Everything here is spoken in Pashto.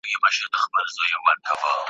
كه اورونه ابدي غواړئ بچيانو ,